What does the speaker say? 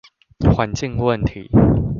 環境問題